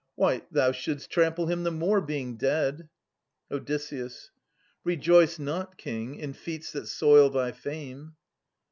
Why, thou shouldst trample him the more, being dead. Od. Rejoice not. King, in feats that soil thy fame